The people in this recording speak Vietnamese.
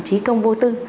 hoàn chí công vô tư